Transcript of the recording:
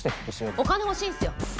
お金欲しいんすよ。